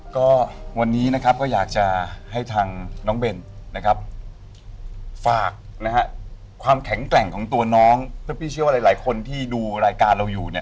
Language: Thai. ก็วันนี้นะครับก็อยากจะให้ทางน้องเบนนะครับฝากนะฮะความแข็งแกร่งของตัวน้องแล้วพี่เชื่อว่าหลายคนที่ดูรายการเราอยู่เนี่ย